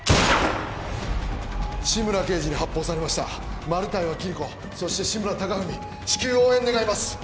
志村刑事に発砲されましたマルタイはキリコそして志村貴文至急応援願います